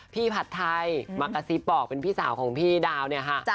ผัดไทยมากระซิบบอกเป็นพี่สาวของพี่ดาวเนี่ยค่ะ